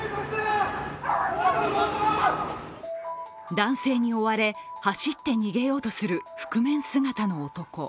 男性に追われ、走って逃げようとする覆面姿の男。